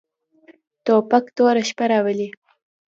توپک توره شپه راولي.